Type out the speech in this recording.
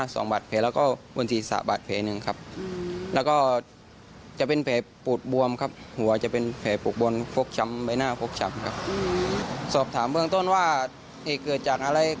ซอบถามเรื่องต้นว่าเกิดจากอะไร